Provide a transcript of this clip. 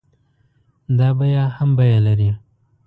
دا بيه هم بيه لري.